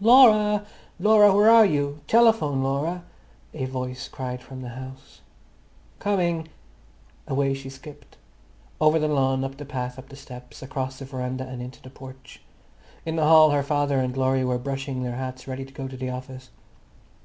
"Laura, Laura, where are you? Telephone, Laura!" a voice cried from the house. "Coming!" Away she skimmed, over the lawn, up the path, up the steps, across the veranda, and into the porch. In the hall her father and Laurie were brushing their hats ready to go to the office.